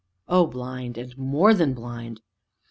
O Blind, and more than blind!